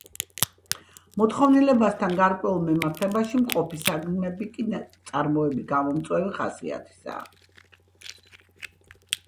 მოთხოვნილებასთან გარკვეულ მიმართებაში მყოფი საგნები კი ნაწარმოები გამომწვევი ხასიათისაა.